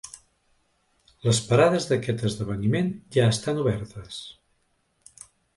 Les parades d’aquest esdeveniment ja estan obertes.